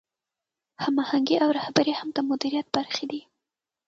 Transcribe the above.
هماهنګي او رهبري هم د مدیریت برخې دي.